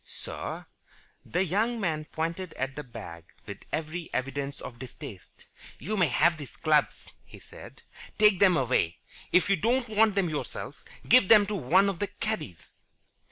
"Sir?" The young man pointed at the bag with every evidence of distaste. "You may have these clubs," he said. "Take them away. If you don't want them yourself, give them to one of the caddies."